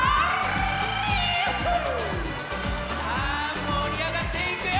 さあもりあがっていくよ！